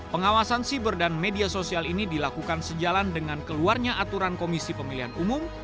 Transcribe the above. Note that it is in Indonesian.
pengawasan siber dan media sosial ini dilakukan sejalan dengan keluarnya aturan komisi pemilihan umum